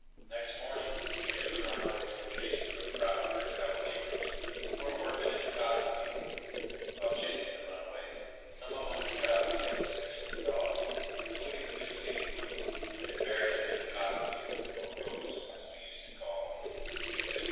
Next morning three of the runaways were chased through a crowd of their fellow negroes, who were working in the cotton field. While chasing the runaways some among the crowd killed six of the dogs, including the two leading ones, and buried them in the cotton beds or rows, as we used to call them. Mr.